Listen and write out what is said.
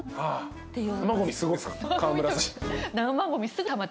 っていう。